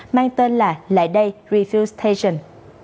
mang tên là lại đây refuse station